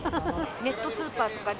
ネットスーパーとかで、